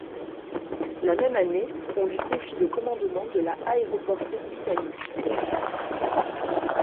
La même année, on lui confie le commandement de la aéroportée britannique.